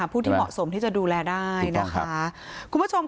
ผู้ที่เหมาะสมที่จะดูแลได้นะคะ